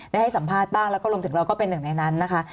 ให้สัมภาษณ์บ้างแล้วก็รวมถึงเราก็เป็นหนึ่งในนั้นนะคะ